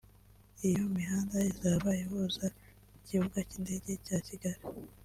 Iyo mihanda izaba ihuza Ikibuga cy’Indege cya Kigali